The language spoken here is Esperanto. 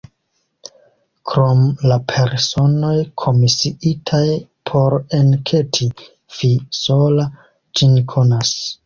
Krom la personoj, komisiitaj por enketi, vi sola ĝin konas.